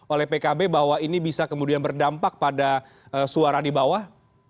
oleh pkb bahwa ini bisa kemudian berdampak pada suara di bawah